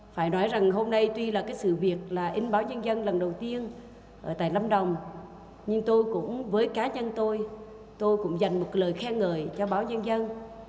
phải nói rằng hôm nay tuy là cái sự việc là in báo nhân dân lần đầu tiên tại lâm đồng nhưng tôi cũng với cá nhân tôi tôi cũng dành một lời khen ngợi cho báo nhân dân